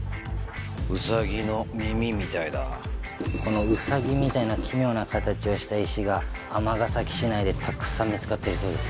ウサギの耳みたいだこのウサギみたいな奇妙な形をした石が尼崎市内でたくさん見つかってるそうです